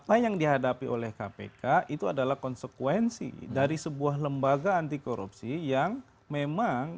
apa yang dihadapi oleh kpk itu adalah konsekuensi dari sebuah lembaga anti korupsi yang memang